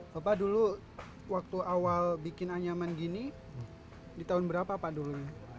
bapak dulu waktu awal bikin anyaman gini di tahun berapa pak dulu